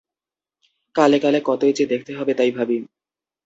কালে কালে কতই যে দেখতে হবে তাই ভাবি।